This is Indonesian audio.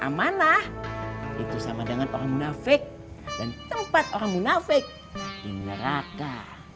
amanah itu sama dengan orang munafik dan tempat orang munafik di neraka